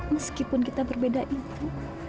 meskipun kita berbeda itu